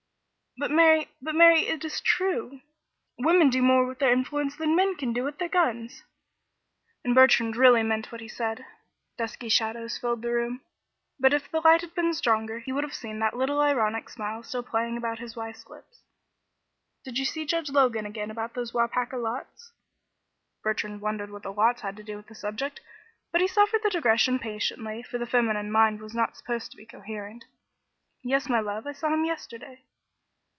"But, Mary but, Mary, it is true. Women do more with their influence than men can do with their guns," and Bertrand really meant what he said. Dusky shadows filled the room, but if the light had been stronger, he would have seen that little ironical smile still playing about his wife's lips. "Did you see Judge Logan again about those Waupaca lots?" Bertrand wondered what the lots had to do with the subject, but suffered the digression patiently, for the feminine mind was not supposed to be coherent. "Yes, my love; I saw him yesterday."